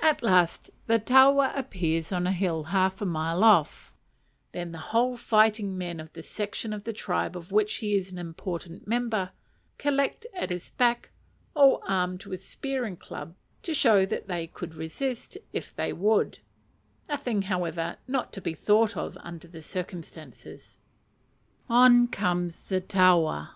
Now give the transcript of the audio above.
At last the taua appears on a hill half a mile off; then the whole fighting men of the section of the tribe of which he is an important member, collect at his back, all armed with spear and club, to show that they could resist, if they would: a thing, however, not to be thought of under the circumstances. On comes the taua.